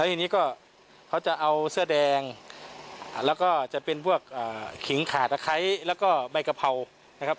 ทีนี้ก็เขาจะเอาเสื้อแดงแล้วก็จะเป็นพวกขิงขาดตะไคร้แล้วก็ใบกะเพรานะครับ